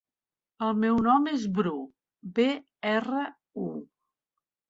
El meu nom és Bru: be, erra, u.